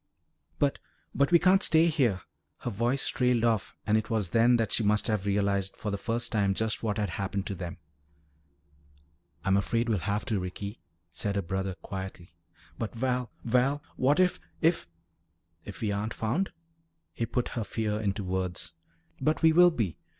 "But but we can't stay here " Her voice trailed off and it was then that she must have realized for the first time just what had happened to them. "I'm afraid we'll have to, Ricky," said her brother quietly. "But, Val Val, what if if " "If we aren't found?" he put her fear into words. "But we will be.